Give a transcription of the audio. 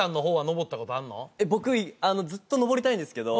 橋本君僕ずっと登りたいんですけど